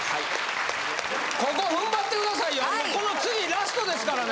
ここふんばってくださいよこの次ラストですからね